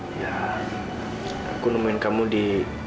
hai aku nemuin kamu di